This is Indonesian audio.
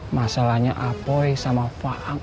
masalahnya apoi sama faang